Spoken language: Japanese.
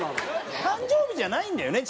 誕生日じゃないんだよね？